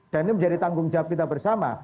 dan ini menjadi tanggung jawab kita bersama